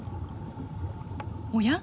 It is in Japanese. おや？